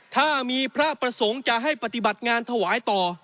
ถ้ามีพระประสงค์จะให้ปฏิบัติงานถวายต่อ